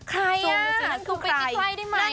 ใครอ่ะสู้ไปที่ใครได้มั้ย